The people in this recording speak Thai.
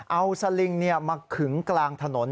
เอาสลิงมาขึงกลางถนน